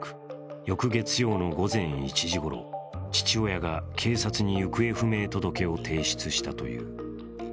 翌月曜の午前１時ごろ父親が警察に行方不明届を提出したという。